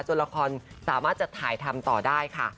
ละครสามารถจะถ่ายทำต่อได้ค่ะ